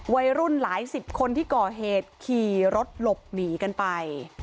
วัยรุ่นหลายสิบคนที่ก่อเหตุขี่รถหลบหนีกันไป